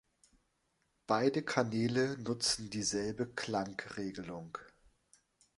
Beide Kanäle nutzen dieselbe Klangregelung.